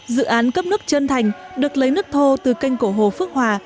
dự án cấp nước trân thành được lấy nước thô từ canh cổ hồ phước hòa